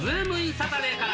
サタデーから。